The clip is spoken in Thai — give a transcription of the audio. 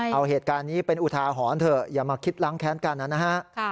เอาเหตุการณ์นี้เป็นอุทาหรณ์เถอะอย่ามาคิดล้างแค้นกันนะฮะ